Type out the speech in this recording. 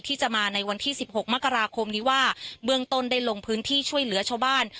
ที่จะมาในวันที่สิบหกมกราคมนี้ว่าเบื้องต้นได้ลงพื้นที่ช่วยเหลือชาวบ้าน